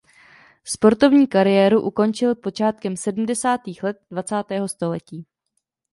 Sportovní kariéru ukončil počátkem sedmdesátých let dvacátého století.